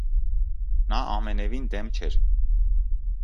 Նա ամենևին դեմ չէր։